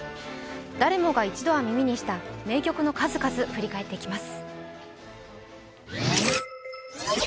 誰もが一度は耳にした名曲の数々、振り返っていきます。